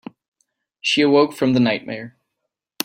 She awoke from the nightmare.